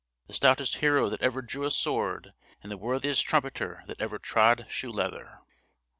the stoutest hero that ever drew a sword, and the worthiest trumpeter that ever trod shoe leather!